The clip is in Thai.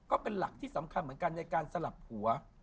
ก็เป็นหลักที่สำคัญเหมือนกันในการสลับหัว